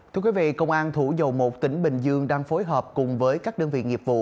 thưa quý vị công an thủ dầu một tỉnh bình dương đang phối hợp cùng với các đơn vị nghiệp vụ